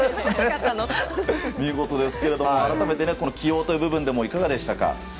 見事ですけれども改めて、起用という部分でもいかがでしたか？